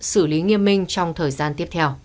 xử lý nghiêm minh trong thời gian tiếp theo